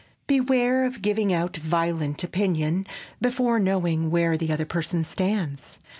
Beware of giving out violent opinions before knowing where the other person stands.